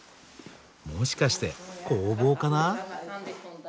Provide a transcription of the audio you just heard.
もしかして工房かな？